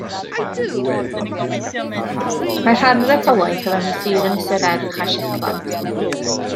Mae rhan o'r etholaeth o fewn y sir Ynysoedd Erch a Shetland.